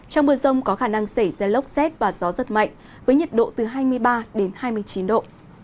trong mưa rông có khả năng xảy ra lốc xét và gió rất mạnh với nhiệt độ từ hai mươi ba đến hai mươi chín độ